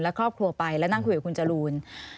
และครอบครัวไปแล้วนั่งคุยกับคุณจรูน